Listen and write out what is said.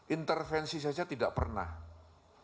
intervensi saja tidak berhasil